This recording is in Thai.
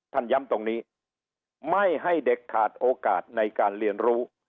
ย้ำตรงนี้ไม่ให้เด็กขาดโอกาสในการเรียนรู้